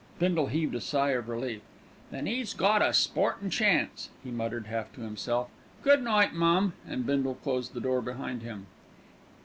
Bindle heaved a sigh of relief. "Then 'e's got a sportin' chance," he muttered, half to himself. "Good night, mum." And Bindle closed the door behind him.